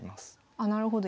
あなるほど。